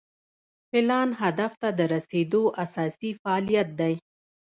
پلان هدف ته د رسیدو اساسي فعالیت دی.